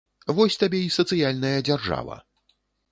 Вось табе і сацыяльная дзяржава!